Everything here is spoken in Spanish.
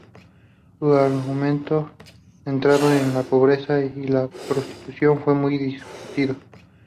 Su argumento, centrado en la pobreza y la prostitución, fue muy discutido.